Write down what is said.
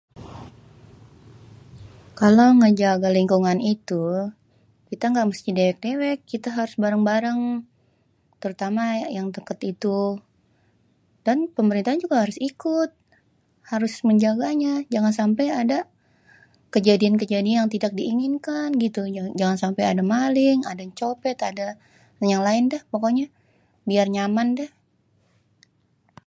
Kalo ngejagé lingkungan itu kita ga mesti dewék-dewék terutama yang deket-deket itu dan pemerintahnya juga harus ikut, harus menjaganya jangan sampe ada kejadian-kejadian yang tidak diinginkan, gitu. Jangan sampe ada maling ada copet ada yang lain deh pokonye biar nyaman dah.